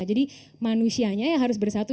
jadi manusianya harus bersatu